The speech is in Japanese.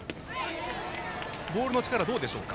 ボールの力どうでしょうか？